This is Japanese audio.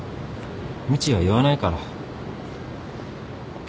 みちは言わないから。